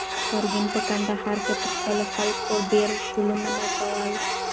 ګرګین په کندهار کې پر خلکو ډېر ظلمونه کول.